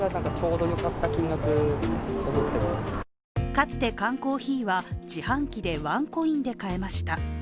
かつて缶コーヒーは自販機でワンコインで買えました。